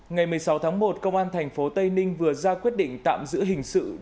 ngày một mươi sáu tháng một công an tp tây ninh vừa ra quyết định tạm giữ hình sự